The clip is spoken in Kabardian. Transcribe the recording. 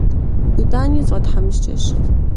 Итӏани сфӏэтхьэмыщкӏэщ.